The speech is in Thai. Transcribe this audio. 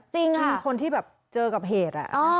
จริงค่ะคือคนที่แบบเจอกับเหตุอ่ะ